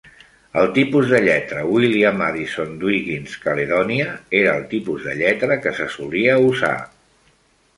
El tipus de lletra William Addison Dwiggins Caledònia era el tipus de lletra que se solia usar.